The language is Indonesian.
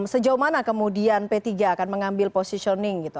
sejauh mana kemudian p tiga akan mengambil positioning gitu